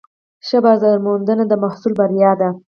ښه بازارموندنه د محصول بریا ده.